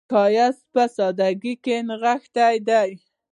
ښایست په سادګۍ کې نغښتی دی